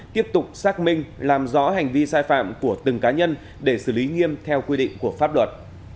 tiếp tục xác minh làm rõ hành vi sai phạm của từng cá nhân để xử lý nghiêm theo quy định của pháp luật